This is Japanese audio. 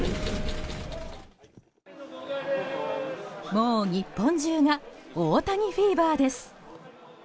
もう、日本中が大谷フィーバーです！